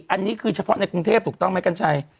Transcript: อันนี้คือเฉพาะในกรุงเทพถูกต้องไหมกัญชัย